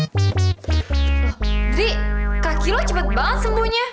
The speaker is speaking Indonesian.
diri kaki lu cepet banget sembuhnya